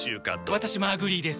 私もアグリーです。